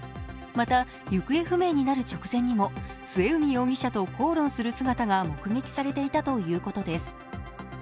また行方不明になる直前にも末海容疑者と口論する姿が目撃されていたということです。